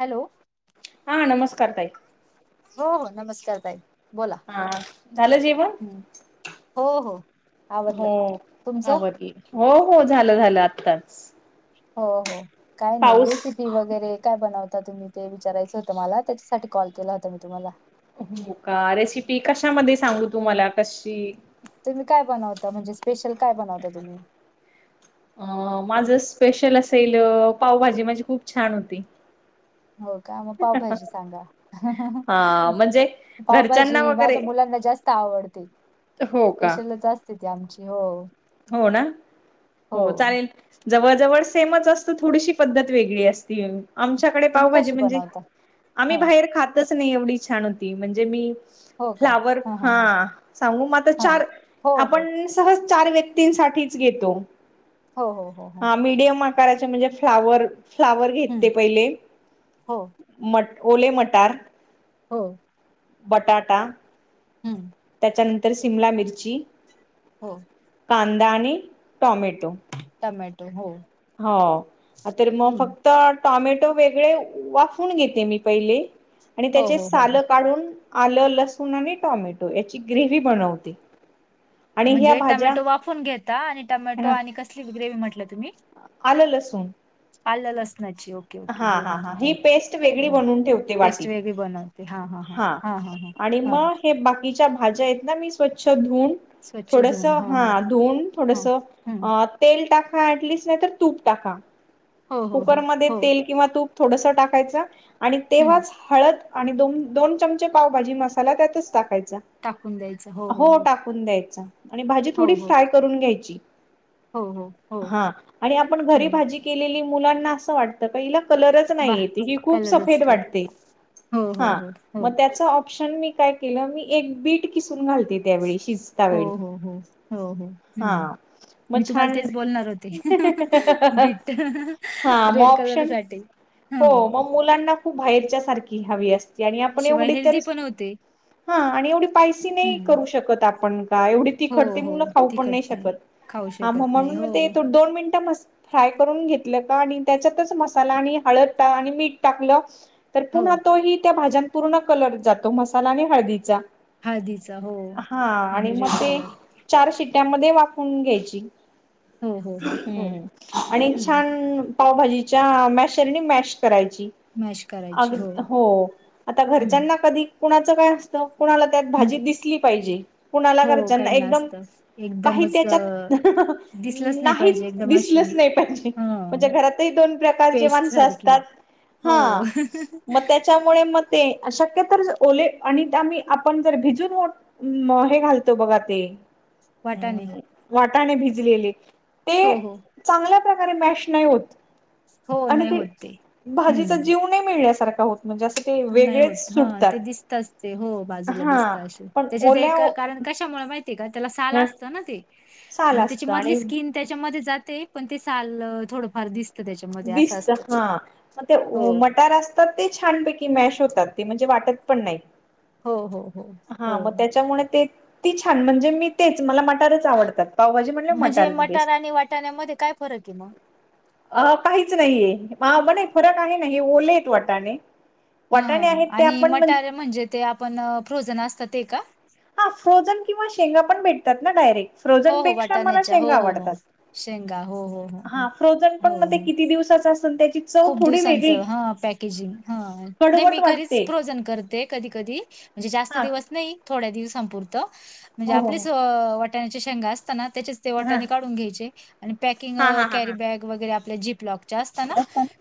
Hello? हा नमस्कार ताई. हो हो नमस्कार ताई. बोला हां, झालं जेवण? हो हो आवडलं हो, तुमचं आवरल हो हो झालं-झालं आत्ताच. हो-हो काय नाई पाऊस रेसिपी. पी वगैरे काय बनवता तुम्ही? ते विचारायचं होतं मला त्याच्यासाठी कॉल केला होता, मी तुम्हाला. हो का? रेसिपी कशामध्ये सांगू तूम्हाला कशी? तुम्ही काय बनवता? म्हणजे स्पेशल काय बनवता तुम्ही? अं, माझं स्पेशल असेल पावभाजी माझी खूप छान होती. हो का? मग पावभजी सांगा. हा म्हणजे घरच्यांना पावभाजी वगैरे माझ्या मुलांना जास्त आवडते. हो का? तिथे आमची हो हो ना हो चालेल, जवळ जवळ सेमच असते थोडीशी पद्धत वेगळी असते. आमच्याकडे तुम्ही पाव भाजी कशी म्हणजे बनवता हा आम्ही बाहेर खातच नाही एवढी छान होती म्हणजे मी, फ्लावर हा सांगू मग आता हा चार हो हो आपण सहज चार व्यक्ती तीन साठीच घेतो हो हो हो हो हा मिडियम आकाराच्या म्हणजे फ्लावर फ्लावर घेत हम्म पहिले हो मग ओले मटार हो बटाटा, हम्म! त्याच्यानंतर सिमला मिरची, हो! कांदा आणि टॉमॅटो टमॅटो हो हो तर मग हम्म फक्त टॉमॅटो वेगळे वाफून घेते मी पहिले, आणि हो त्याचे हो हो हो. सालं काढून आलं लसूण आणि टोमॅटो याची ग्रेव्ही बनवते. आणि ह्या म्हणजे भाज्या टमॅटो वाफून घेता आणि ह टमॅटो आणि कसली ग्रेवी म्हटलं तुम्ही? आलं लसूण आलं लसणाची ओ हा हा हा ही पेस्ट वेगळी बनवून ठेवते पेस्ट वाटीत. वेगळी बनवते हा हा आणि मग हे बाकीच्या भाज्या आहेत ना मी स्वच्छ धुून थोडस हा धुऊन हा थोडस हम्म अ तेल टाका ऍटलिस्ट नाही तर तूप टाका. हो हो हो कुकरमध्येध्ये हो तेल किंवा तूप थोडस टाकायचं आणि हम्म तेव्हाच हळद आणि दोन दोन चमचे पावभाजी मसाला त्यातच टाकायचा. हो टाकून द्यायचा आणि भाजी थोडी हो हो फ्राय करून घ्यायची. हो हो हो हा आणि आपण घरी हम्म भाजी केलेली मुलांना असं वाटत पहिला कलर च वा नाही येत ही खूप कलरच सफेद नाही वाटते हो हो हा हो हो त्याचा अ ऑप्शन मी काय केलं मी एक बीट किसून घालते त्यावेळी शिज हो हो हो हो हो हम्. मग मी तुम्हाला छान तेच बोलणार होते बिट हा मग रेड कलर ऑप्शन साठी हो हम्म. मग मुलांना खूप बाहेरच्या सारखी हवी असते आणि आपण शिवाय एवढी तर हेल्दी पण होते. हा आणि एवढी पायसी नाही हं. करू शकत आपण का एवढी हो, तिखटते हो. मुलं खाऊ पण नाही तिखट शकत. खाऊ आ शकत नाही. म्हणून मग हो, तेथ दोन मिनिटं मस्त फ्राय करून घेतलं का आणि त्याच्यातच मसाला आणि हळद आणि मीठ टाकलं. तर हो. पुन्हा तोही त्या भाज्यां पूर्ण कलर जातो मसाला आणि हळदीचा हळदीचा हो. हा आणि मग रेड ते कलर. चार शिट्यामध्ये वाकून घ्यायची. हो, हो, हो, हो. हम्म आणि हं. पावभाजीच्या मॅशरनी मॅश करायची. मॅश अग करायची. हो आता हं, घरच्यांना कधी कुणाच काय असतं कुणाला त्यात हं. भाजी दिसली पाहिजे कुणाला हो घरच्याना काहींना एकदम असतं. काही एकदमच अ त्याच्यात दिसलंच नाही पाहिजे. एकदम अशी दिसलंच नाही पाहिजे. म्हणजे हं. घरातही दोन प्रकारची पेस्ट माणस सारखी. असतात हो. हा मग त्या त्यामुळे म ते शक्यता ओले आणिही आपण जर भिजून म हे घालतो बघा ते वाटाणे. वाटाणे भिजलेले ते हो, हो. चांगल्या प्रकारे मिक्स नाही होत हो नाही होत ते. भाजीचा हं. जीव नाही मिळल्यासारखा होत. म्हणजे असं ते नाही वेगळेच होत ह ते सुटतात दिसतच ते हो बाजूला हा दिसत असे पण त्याचे ते एक ओल्या कारण कशामुळे माहिती का? त्याला साल असत ना ते, साल मग त्या असत मधली आणि स्किन त्याच्यामध्ये जाते पण, ते साल थोडफार दिसते. दिसत हा, ते हो मटार असतात ते छानपैकी मॅश होतात ते म्हणजे ते वाटत पान नाय. हो हो हो हो हा त्याच्यामुळे ते ती छान म्हणजे मी तेच मला मटारच आवडतात. पावभाजी म्हणल्यावर म्हणजे मटारच मटार बेस्ट. आणि वाटाण्यामध्ये काय फरक हो मगं. अ काहीच नाहीये, म नाही फरक आहे ना हे ओलेेत वाटाने हा ह आणि मटारे म्हणजे ते आपण फ्रोझन असतात ते का? हा फ्रोजन किंवा, शेंगा पण भेटतात ना डायरेक्ट? हो हो फ्रोजनपेक्षा मला वाटाण्याच्या शेंग हो हो हो आवडतात. शेंगा हो हो हो हो हा फ्रोजन पण हो मग ते हो किती दिवसाचं असेल त्याची चव खूप थोडी दिवसांच वेगळी हा पॅकेजिंग हा नाही मी कडवट घरीच वाटते. फ्रोझन करते कधी कधी. म्हणजे जास्त हा दिवस नाही थोड्या दिवस संपूर्त म्हणजे हो हो आपलेच हो वाटाणाची शेंगा अस असताना त्याचेच ते हा वाटाने काढून घ्यायचे आणि पॅकिंग हा हा हा कॅरी हा बॅग वगैरे आपल्या जीपलॉकच्या असताना?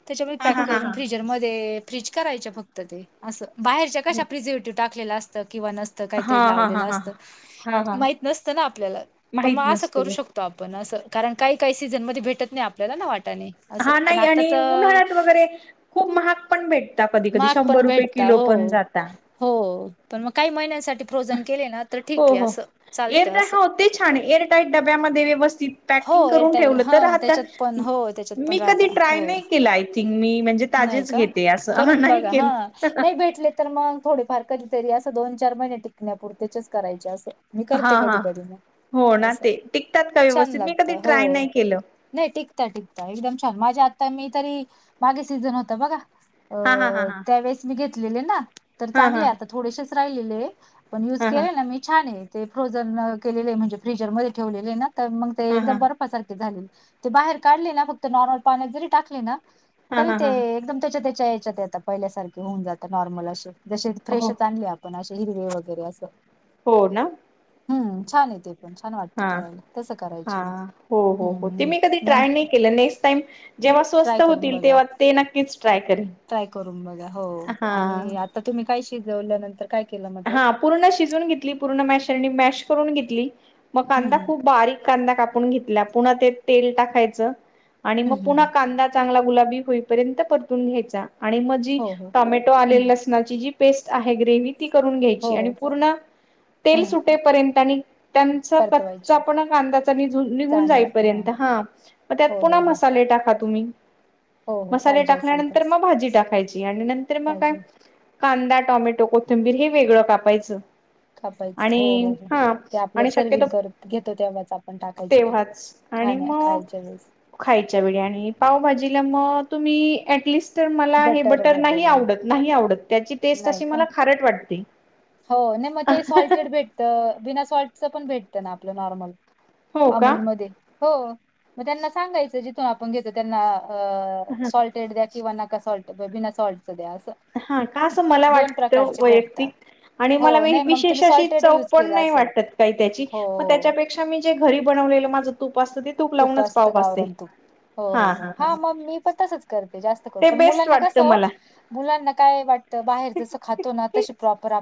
त्याच्यामधी हा पॅक हा हा करून हा फ्रिजरमध्ये फ्रीज करायच्या फक्त ते, असं. बाहेरच्या कशा प्रिझेवेटिव्ह टाकलेला असत किंवा नसं काहीतरी हा लावले हा हा असत, हा हा हा माहीत नसतं ना आपल्याला पण माहित मग असं नसते करू ग. शकतो. आप पण असं कारण काही काही सीझन मधी भेटत नाही आपल्याला ना वाटाने अस हा पण नाही आ आणि उन्हाळ्यात वगैरे खूप महाग पण भेटता कधी कधी महाग शंभर पण रुपये भेटता किलो हो पण जाता. हो पण, मग काही महिन्यांसाठी फ्रोजन केले ना तर ठीक हो आहे. हो असं चालतं एअरटाईट असं. हो ते छान ऐर टाईट डब्यामध्ये व्यवस्थित हो पॅकिंग करुन एअरटेल ठेवल हा तर त्याच्यात राहतान. पण हो त्याच्यात पण मी कधी राहता ट्राय हो नाही केले, आय थिंक मी म्हणजे नाही ताजेच का घेते असं अ ह करून नाही बघा हा केलं. नाही भेटले तर मग थोडेफार कधीतरी असं दोन चार महिने टिकण्यापुरतेचेच करायचे असं. मी हा करते हा कधी कधी, हो मग ना असं. ते टिकतात का व्यवस्थित? मी कधी ट्राय नाही केलं. नाय टिकता टिकता एकदम छान माझ्या आता, मी तरी मागे सीझन होत बघा अ हा हा हा हा त्यावेेळेस मी घेतलेले ना तर, हा चांगले हा आता थोडेसेच राहिलेले. पण युज हा हा केलेय ना मी. छान आहे, ते फ्रोजन केलेले आहे म्हणजे फ्रिजर मध्ये ठेवलेले आहे ना. तर मग ते हा हा एकदम बर्फासारखे झाले. ते बाहेर काढले ना फक्त नॉर्मल पाण्यात जरी टाकले ना हा तरी हा ते हा एकदम त्याच्या त्याच्या याच्यात आता पहिल्यासारखे होऊन जात नॉर्मल असे जसे हो फ्रेशच आणले आप पण असे हिरवे वगैरे असं. हो ना. हम्म छान येते पण छान वाटतं हा करायला. तसं हा करायचे मग हो हो हो हम्म ते मी कधी न ट्राय नाही केलं. नेक्स्ट टाइम जेव्हा ट्राय स्वस्त करून होतील बघा तेव्हा ते नक्कीच ट्राय करेन. ट्राय करून बघा. हो हा आणि आता तुम्ही काय शिजवल्यानंतर काय केलं मध्ये हा पूर्ण शिजून घेतली. पूर्ण मॅशरनी मॅश करून घेतली, मग हम्म कांदा खूप बारीक कांदा कापून घेतला, पुन्हा ते तेल टाकायच आणि हम्म मग हम्म पुन्हा हम्म कांदा चांगला गुलाबी होई परेंत परतून घेयचा, आणि मग जी हो हो टोमॅटो आले हम्म लस नाची जी पेस्ट आहे ती ग्रेव्ही आहे ती करुन घेयची हो आणि हो पूर्ण तेल हम्म सू टे पर्यंत आणि त्यांचा कच्चा परतवायची पण कांदाचा नि-निघून जाईपर्यंत हा मग त्यात हो पुन्हा हो हो मसाले टाका तुम्ही. हो हो मसाले पाहिजे असेल तर टाकल्यानंतर मग भाजी टाकायची आणि नंतर मग काय पाहिजे कांदा टॉमॅटो कोथंबीर हे वेगळं कापायचं. कापायच हो आणि हो हो हा ते आपल्या आणि सर्विंग शक्यतो करत घेतो तेव्हाच आपण टाकायच ते. तेव्हाच आणि खाण्या मग खायच्या वेळेस. खायच्या वेळी आणि पावभाजीला मग तुम्ही ऍटलिस्ट तर मला हे बटर नाही आवडत नाही आवडत त्याची टेस्ट नाही अशी का मला खारट वाटते. हो नाही मग ते सॉल्टेड भेटतं बिना सॉल्टचं पण भेटतं ना आपलं नॉर्मल हो का अमूलमध्ये हो मग त्यांना सांगायचं जिथून आपण घेतो त्यांना अ सॉल्टेड द्या किंवा नका सॉल्ट बिना साॉल्टच द्या असं हा का असं मला दोन वाटतं प्रकारचे भेटता वैयक्तिक आणि हो मला मी नाही मग विशेष तुम्ही अशी सॉल्टेड चव यूज पण केला नाही असेल वाटतं काही त्याची हो मग हो त्याच्यापेक्षा त्यापेक्षा घरी बनवलेलं माझं तूप असतं. तूप तुप लावूनच पाव असतं भाजते. गाववरन तूप हो हो हो हा मग मी पण तसंच करते जास्त करून ते पण बेस्ट मुलांना कसं वाटतं हो मला. मुलांना काय वाटतं बाहेर जसं खात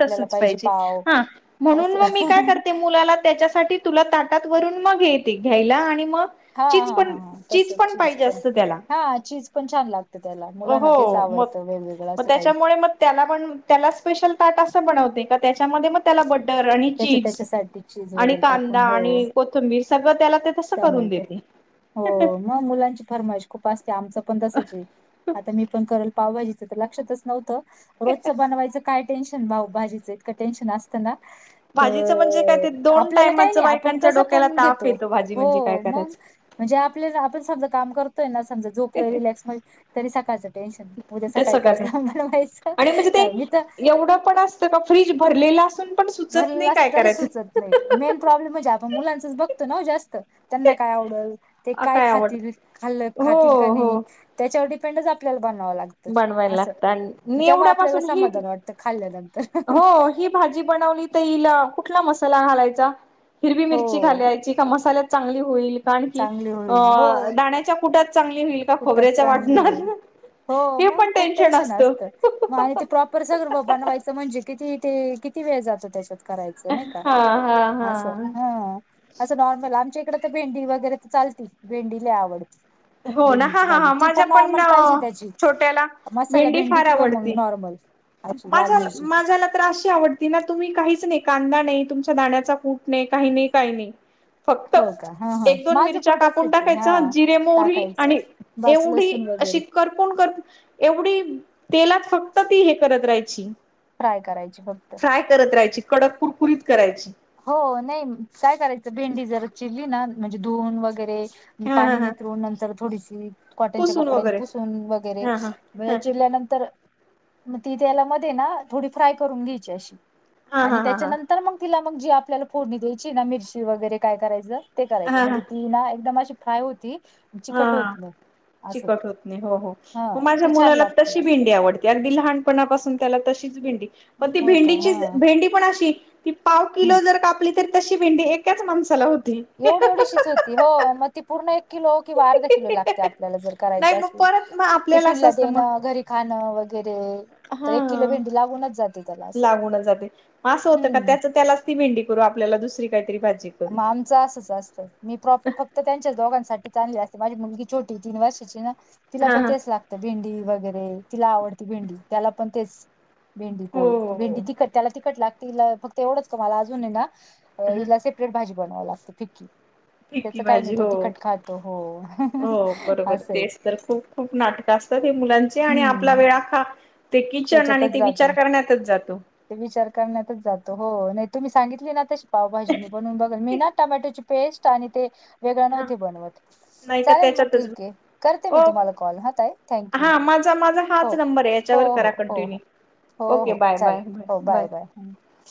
तसंच पाहिजे हा म्हणून तस मग मी काय करते मुलाला त्याच्यासाठी तुला ताटात वरून मग घ्यायला आणि मग हा हा हा तस चीज पण चीज पाहिजे असतं त्याला हा चीज पण छान लागते त्याला मुलांना तेच हो मग आवडतं वेगवेगळं मग असं काही त्याच्यामुळे मग त्याला पण त्याला स्पेशल ताट असं बनवते का त्याच्यामध्ये मग त्याला बटर आणि त्याच्या चीज त्याच्यासाठी चीज आणि वगैरे कांदा टाकून हो आणि कोथंबीर सगळं त्याला तसं करून टमॅटो देते. हो मग मुलांची फरमाईश खूप असते आमचं पण तसंच आहे. आता मी पण करल पावभाजीच तिथं तर लक्षातच नव्हतं. रोजचं बनवायचं काय टेन्शन भाऊ भाजीचं इतकं टेन्शन असतं ना. भाजीचं म्हणजे काय तर ते दोन आपल्याला काही टायमाच नाही आपण बायकांच्या कसं डोक्याला पण ताप घेतो. येतो भाजी म्हणजे काय हो मग करायचं म्हणजे आपल्या आपण समजं काम करतोय ना म झोपलो रिक्स मध्ये तरी सकाळचं टेन्शन. उदया ते सकाळी काही सगळंच काय काम बनवायचं आणि म्हणजे ते का मी तर एवढं पण असतं का फ्रीज भरलेला असून पण सुचत नाही भरलास काय तरी करायचं. सुचत नाही मेन प्रॉब्लेम म्हणजे आपण मुलांचच बघतो ना जास्त त्यांना काय आवडल ते अ काय आवड खातील खाल हो खातील का हो नाही त्याच्यावर डिपेंडच आपल्याला बनवावं लागंत. बनवायला असं लागतं आणि तेव्हा आपल्याला एवढ्यापासून ही समाधान वाटतं खाल्ल्यानंतर ती बनवली तर कुठला मसाला घालायचा. हिरवी हो मिरची घालायची का मसाल्यात चांगली होईल. कारण की चांगली होईल हो अ दाण्याच्या कुटात चांगली होईल का कुठच खोबऱ्याच्या चांगली वाटणार होईल हो मग खूप टेन्शन असतं मग आणि ते प्रॉपर सगळं बनवायचं म्हणजे किती ते किती वेळ जातं त्याच्यात करायचं नाही का हा हा असं हा. हा असं नॉर्मल आमच्या इकडे तर भेंडी वगैरे तर चालती भेंडीला आवडते. हो ना हा हा हा माझ्या पण पाहिजे त्याची छोट्याला मसाला भेंडी फार किंवा मग आवडती. नॉर्मल अशी माझ लाल मिरचीची माझ्याला तर अशी आवडते. बिना तुम्ही काहीच नाही कांदा नाही तुमच्या दाण्याचा कूट नाही काही नाही काही नाही फक्त हो का हा हा एक दोन माझं मिरच्या पण कापून तसच आहे टाकायचं हा जिरे टाकायचं आणि बस एवढी लसूण अशी वगैरे करपूण कर एवढी तेलात फक्त ती हे करत राहायची. फ्राय करायची फक्त फ्राय करत राहायची कडक कुरीत करायची. हो नाही काय करायचं भेंडी जर चिरली ना म्हणजे धुन वगैरे हा हा पाणी हा धुण नंतर थोडीशी कॉटनच्या पुसून कपड्यानी वगैरे पुसून वगैरे हा हा म्हणजे या चिरल्यानंतर मग ती त्याला मध्ये ना थोडी फ्राय करून घ्यायची अशी हा आणि हा हा हा हा त्याच्यानंतर मग तिला मग जी आपल्याला फोडणी द्यायची ना मिरची वगैरे काय करायचं ते करायचं हा म्हणजे हा ती ना एकदम अशी काय होती. चिकट होत हा नाही असं चिकट होत नाही हो हो हा मग माझ्या ती छान मुलाला लागती तशी भेडी ल हो का हा भ पण अ ती पाव हम्म. किलो जर कापली तर तशी भेंडी एकाच माणसाला होती. एवढी एवढी शिच होती हो मग ती पूर्ण एक किलो किंवा अर्धा किलो ला आपल्याला ज कराय नाही मग परत मग आपल्याला असेििन असं असतं लाण मग घ खाणं वगैरे तर एक किलो भेंडी लागूनच जाते त्याला असं लागवूनच जातेग असं होतं का हम्म त्याच त्यालाच ती भेंडी करू आपल्याला दुसरी काहीतरी भाजी करू. मग आमचं असंच असतं मी प्रॉ फक्त त्यांच्याच दोघांसाठी चांलली असते माझी मुलगी छोटी तीन वर्ष म्ह तिला पण हा तेच लागत भेंडी वगैरे तिला आवडती भेंडी त्याला पण तेच भेंडी पोळी हो भेंडी तिखट त्याला तिखट लागतील फक्त एवढंच का मला अजूनही ना. हला सेपरेट भाजी बनवाव लाते फिक्की त्याच ठिकी काही नाही भाजी त ती हो. खट खातो हो हो बरोबर असंय. तेच तर खूप खूप नाटक असतात हे मुलांचे आणि आपला हम्म वेळाखा ते किचन आणि त्याच्यातच ते जातो विचार करण्यातच जातो. ते विचार करण्यातच जातो हो नाही तुम्ही सांगितली ना त्याची पावभाजी मी म्हणून बघल मी ना टमॅटोची पेस्ट आणि ते वेगळं हा नव्हते बनवत. नाही का चालेल मग त्याच्यातच ठीक आहे करते मी ओ तुम्हाला कॉल हता आहे थँक यू हा माझा माझा हाच हो नंबर आहे याच्यावर हो. हो हो करा हो कंटिन्यू हो ओके हो बाय बाय चालेल हो बाय बाय.